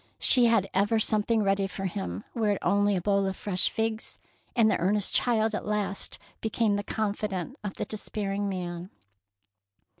She had ever something ready for him, were it only a bowl of fresh figs ; and the earnest child at last became the confidant of the despairing man.